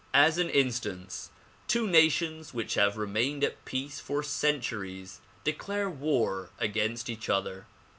As an instance, two nations which have remained at peace for centuries declare war against each other.